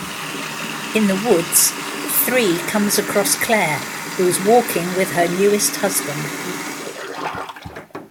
In the woods, Ill comes across Claire, who is walking with her newest husband.